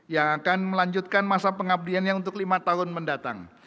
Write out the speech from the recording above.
yang akan melanjutkan masa pengabdiannya untuk lima tahun mendatang